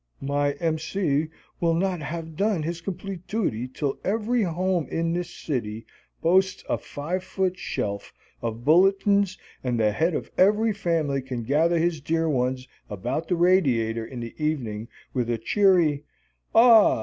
My M. C. will not have done his complete duty till every home in this city boasts a five foot shelf of bulletins and the head of every family can gather his dear ones about the radiator in the evening with a cheery: "Ah!